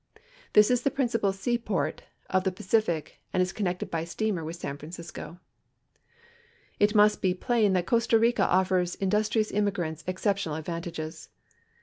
This is the principal seaport on the Pacific and is connected by steamer with San Francisco. It must be plain that Costa Rica offers industrious immigrants exceptional advantages.